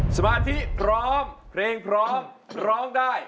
สมาธิพร้อมเพลงพร้อมร้องได้